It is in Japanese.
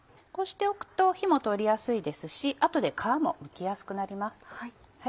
こうしておくと火も通りやすいですし後で皮もむきやすくなります。